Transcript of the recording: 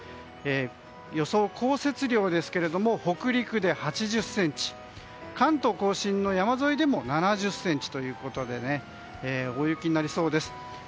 予想降雪量ですけども北陸で８０ｃｍ関東・甲信の山沿いでも７０ｃｍということで大雪になりそうです。